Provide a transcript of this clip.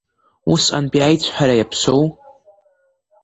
Усҟатәи аицәҳара иаԥсоу?